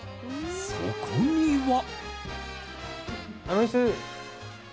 そこには。